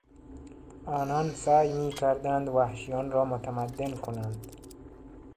آنان سعی میکردند وحشیان را متمدن کنند.